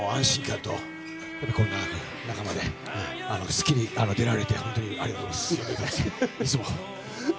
安心感とこの仲間で『スッキリ』出られて、本当にありがとうございます。